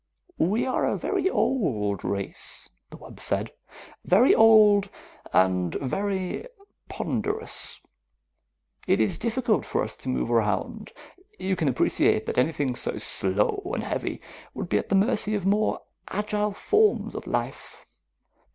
"We are a very old race," the wub said. "Very old and very ponderous. It is difficult for us to move around. You can appreciate that anything so slow and heavy would be at the mercy of more agile forms of life.